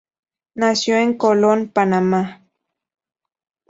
Nació en Colon, Panamá.